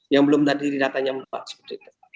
yang belum tadi didatanya mumpah seperti itu